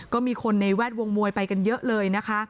ก็มีคนในแวดวงมวยไปกันเยอะเลยนะคะ